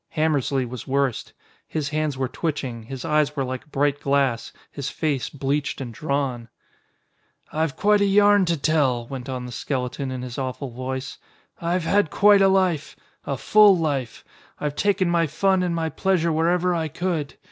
Hammersly was worst. His hands were twitching, his eyes were like bright glass, his face bleached and drawn. "I've quite a yarn to tell," went on the skeleton in his awful voice. "I've had quite a life. A full life. I've taken my fun and my pleasure wherever I could.